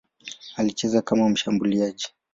Alicheza kama mshambuliaji.